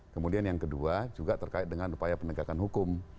kemudian yang kedua juga terkait dengan upaya penegakan hukum